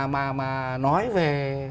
mà nói về